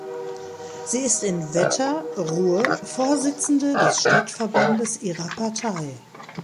Sie ist in Wetter (Ruhr) Vorsitzende des Stadtverbandes ihrer Partei.